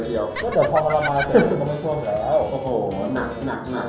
เดี๋ยวพอละบายเติมก็ไม่ช่วงแด้